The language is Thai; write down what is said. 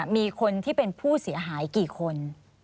มีคนที่เป็นผู้เสียหายกี่คน